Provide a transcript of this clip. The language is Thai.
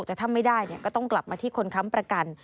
แต่ถ้าไม่ได้ก็ต้องกลับมาที่คนค้ำประกัน